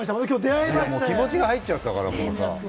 気持ちが入っちゃったから。